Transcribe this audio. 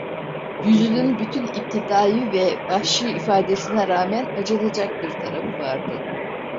Yüzünün bütün iptidai ve vahşi ifadesine rağmen acınacak bir tarafı vardı.